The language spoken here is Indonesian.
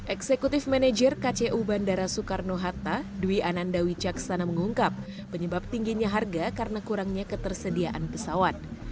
eksekutif manajer kcu bandara soekarno hatta dwi ananda wicaksana mengungkap penyebab tingginya harga karena kurangnya ketersediaan pesawat